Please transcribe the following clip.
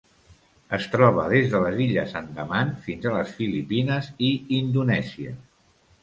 Es troba des de les Illes Andaman fins a les Filipines i Indonèsia.